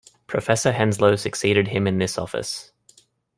Professor Henslow succeeded him in this office.